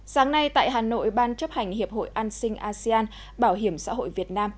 sáng nay tại hà nội ban chấp hành hiệp hội an sinh asean bảo hiểm xã hội việt nam